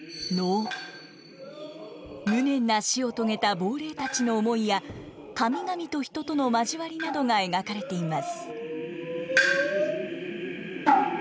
無念な死を遂げた亡霊たちの思いや神々と人との交わりなどが描かれています。